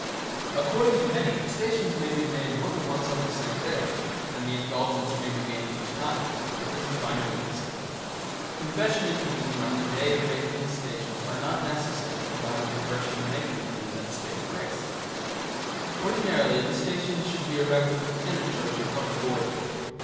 According to many the Stations may be made more than once on the same day, the indulgence may be gained each time; but this is by no means certain (S.C.I., 10 Sept., 1883). Confession and Communion on the day of making the Stations are not necessary provided the person making them is in a state of grace; Ordinarily the Stations should be erected within a church or public oratory.